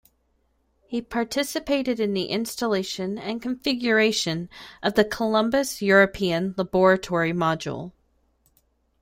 He participated in the installation and configuration of the Columbus European laboratory module.